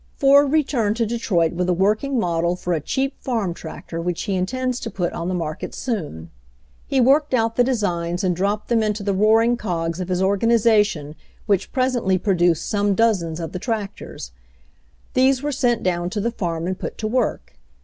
Ford returned to Detroit with a working model for a cheap farm tractor which he intends to put on the market soon. He worked out the designs <x<*l*v 172 HENRY FORD'S OWN STORY and dropped them into the roaring cogs of his organization which presently produced some dozens of the tractors. These were sent down to the farm and put to work.